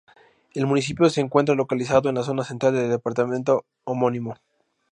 El municipio se encuentra localizado en la zona central del departamento homónimo.